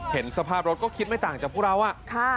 เห็นสภาพรถก็คิดไม่ต่างจากพวกเราอะ